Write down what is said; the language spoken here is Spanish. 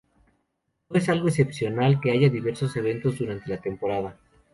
No es algo excepcional que haya diversos eventos durante la temporada.